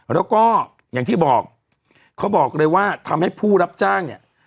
แล้วก็อย่างที่บอกเขาบอกเลยว่าทำให้ผู้รับจ้างเนี่ย